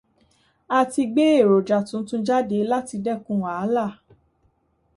A ti gbé èròjà tuntun jáde láti dẹ́kun wàhálà.